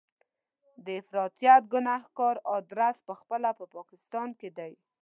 د افراطیت ګنهګار ادرس په خپله په پاکستان کې دی.